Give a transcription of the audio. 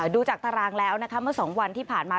ดูจากตารางแล้วนะคะเมื่อ๒วันที่ผ่านมา